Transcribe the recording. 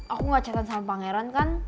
aku gak chatan sama pangeran kan